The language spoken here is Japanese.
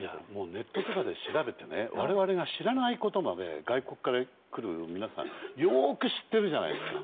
ネットとかで調べて我々が知らないことまでも外国から来る方はよく知っているじゃないですか。